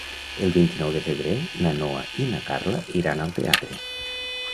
El vint-i-nou de febrer na Noa i na Carla iran al teatre.